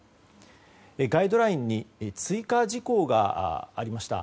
ガイドラインに追加事項がありました。